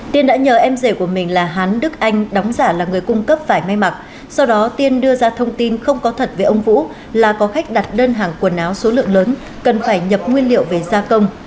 tiên đã nhờ em rể của mình là hán đức anh đóng giả là người cung cấp phải may mặc sau đó tiên đưa ra thông tin không có thật về ông vũ là có khách đặt đơn hàng quần áo số lượng lớn cần phải nhập nguyên liệu về gia công